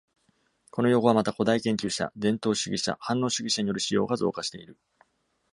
この用語はまた、古代研究者、伝統主義者、反応主義者による使用が増加している。